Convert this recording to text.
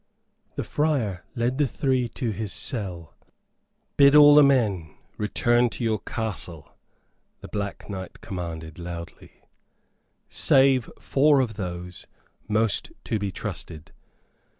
The friar led the three to his cell. "Bid all the men return to your castle," the Black Knight commanded, loudly, "save four of those most to be trusted."